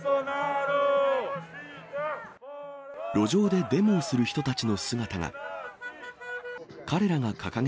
路上でデモをする人たちの姿が。